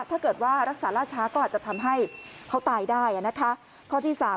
ถ้าเกิดว่ารักษาลาดช้าก็อาจจะทำให้เขาตายได้นะคะ